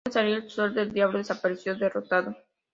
Luego de salir el sol el diablo desapareció derrotado.